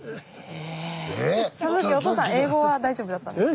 その時おとうさん英語は大丈夫だったんですか？